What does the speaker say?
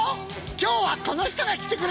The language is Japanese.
今日はこの人が来てくれた。